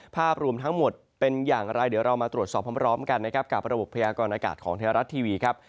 ภาพรวมทั้งหมดเป็นอย่างไรเดี๋ยวเรามาตรวจสอบพร้อมกันนะครับกับระบบพยากรณากาศของไทยรัฐทีวีครับ